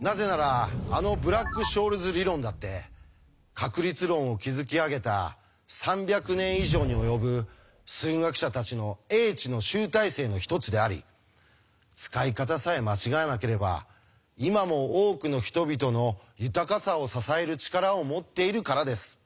なぜならあのブラック・ショールズ理論だって確率論を築き上げた３００年以上に及ぶ数学者たちの英知の集大成の一つであり使い方さえ間違えなければ今も多くの人々の豊かさを支える力を持っているからです。